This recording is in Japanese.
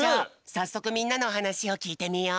さっそくみんなのおはなしをきいてみよう。